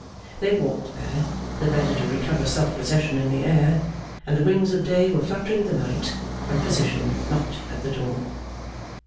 They walked there, the better to recover self possession in the air; and the wings of day were fluttering the night when Physician knocked at the door.